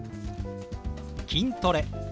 「筋トレ」。